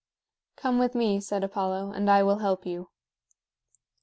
"Come with me," said Apollo, "and I will help you."